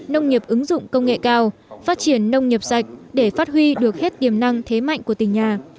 nông nghiệp ứng dụng công nghệ cao phát triển nông nghiệp sạch để phát huy được hết tiềm năng thế mạnh của tỉnh nhà